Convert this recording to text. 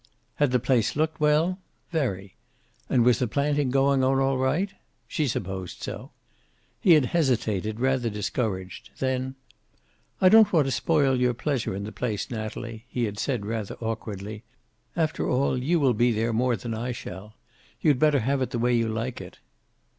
Had the place looked well? Very. And was the planting going on all right? She supposed so. He had hesitated, rather discouraged. Then: "I don't want to spoil your pleasure in the place, Natalie " he had said, rather awkwardly. "After all, you will be there more than I shall. You'd better have it the way you like it."